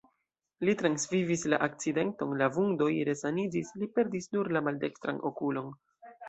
Li transvivis la akcidenton, la vundoj resaniĝis, li perdis nur la maldekstran okulon.